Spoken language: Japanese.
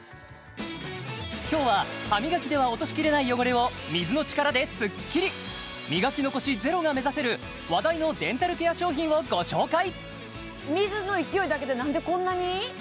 今日は歯磨きでは落としきれない汚れを水の力ですっきり磨き残しゼロが目指せる話題のデンタルケア商品をご紹介水の勢いだけでなんでこんなに？